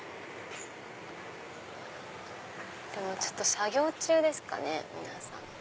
作業中ですかね皆さん。